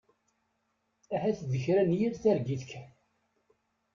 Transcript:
Ahat d kra n yir targit kan.